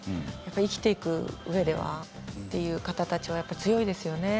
生きていくうえではという方たちは強いですね。